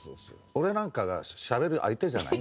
俺なんかがしゃべる相手じゃない。